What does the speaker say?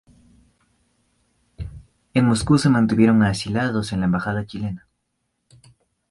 En Moscú se mantuvieron asilados en la embajada chilena.